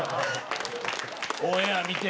オンエア見て。